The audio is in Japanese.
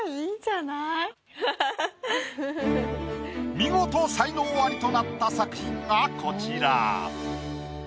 見事才能アリとなった作品がこちら。